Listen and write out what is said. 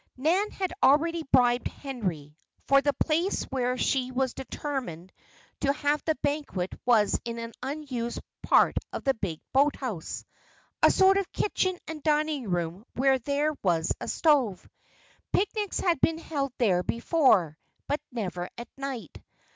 Nan had already bribed Henry; for the place where she was determined to have the banquet was in an unused part of the big boathouse, a sort of kitchen and dining room where there was a stove. Picnics had been held there before; but never at night.